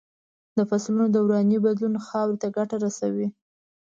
د فصلو دوراني بدلون خاورې ته ګټه رسوي.